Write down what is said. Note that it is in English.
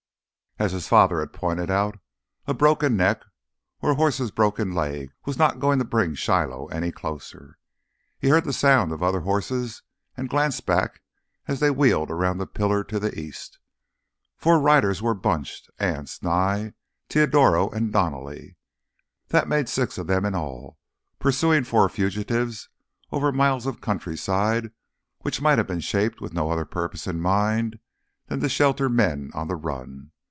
As his father had pointed out, a broken neck or a horse's broken leg was not going to bring Shiloh any closer. He heard the sound of other horses and glanced back as they wheeled around the pillar to the east. Four riders were bunched—Anse, Nye, Teodoro, and Donally. That made six of them in all, pursuing four fugitives over miles of countryside which might have been shaped with no other purpose in mind than to shelter men on the run.